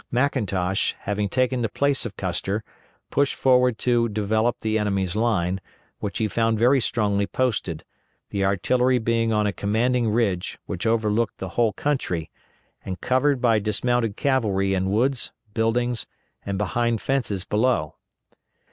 McIntosh, having taken the place of Custer, pushed forward to develop the enemy's line, which he found very strongly posted, the artillery being on a commanding ridge which overlooked the whole country, and covered by dismounted cavalry in woods, buildings, and behind fences below.